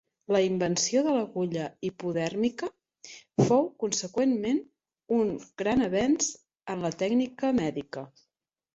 La invenció de l'agulla hipodèrmica fou, conseqüentment, un gran avenç en la tècnica mèdica.